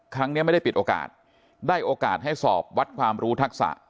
ครั้งนี้ไม่ได้ปิดโอกาสได้โอกาสให้สอบวัดความรู้ทักษะ